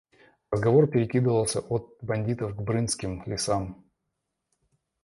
Разговор перекидывается сам от бандитов к Брынским лесам.